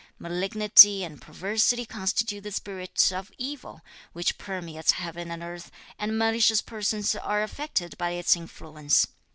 Malignity and perversity constitute the spirit of evil, which permeates heaven and earth, and malicious persons are affected by its influence.